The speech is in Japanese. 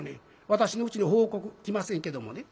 私のうちに報告来ませんけどもね。